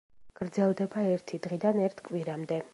გრძელდება ერთი დღიდან ერთ კვირამდე.